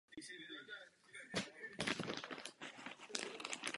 Název „Dymytry“ je odvozen od ruské lokomotivy.